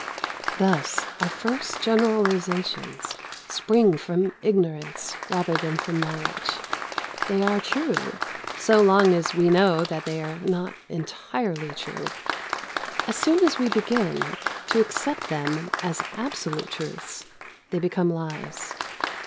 Thus our first generalisations spring from ignorance rather than from knowledge. They are true, so long as we know that they are not entirely true. As soon as we begin to accept them as absolute truths, they become lies.